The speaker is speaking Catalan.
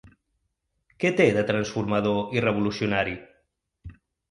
Què té de transformador i revolucionari?